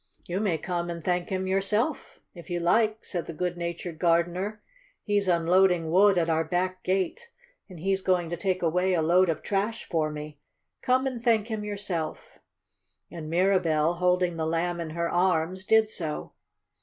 "You may come and thank him yourself if you like," said the good natured gardener. "He's unloading wood at our back gate, and he's going to take away a load of trash for me. Come and thank him yourself." And Mirabell, holding the Lamb in her arms, did so.